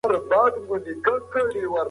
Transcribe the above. یوازې لیدل او اورېدل کافي نه دي.